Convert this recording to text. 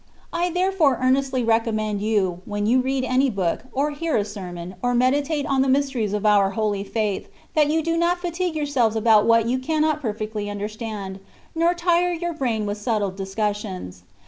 I therefore earnestly recommend you, when you read any book, or hear a sermon, or meditate on the mysteries of our holy faith, that you do not fatigue yourselves about what you cannot perfectly understand, nor tire your brain with subtile dis cussions.